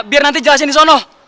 biar nanti jelasin disono